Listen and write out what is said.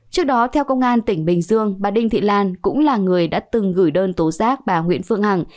trước đó theo công an tỉnh bình dương bà đinh thị lan cũng là người đã từng gửi đơn tố giác bà nguyễn phương hằng